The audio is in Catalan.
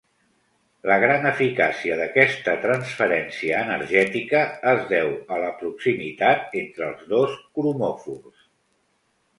La gran eficàcia d'aquesta transferència energètica es deu a la proximitat entre els dos cromòfors.